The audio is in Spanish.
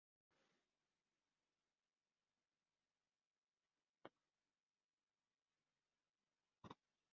Es lugar habitual de práctica del senderismo con un acceso fácil.